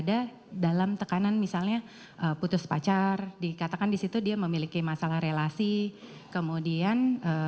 ada dalam tekanan misalnya putus pacar dikatakan disitu dia memiliki masalah relasi kemudian